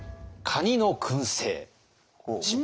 カニのくんせい？